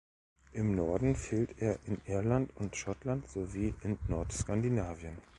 Im Norden fehlt er in Irland und Schottland, sowie in Nordskandinavien.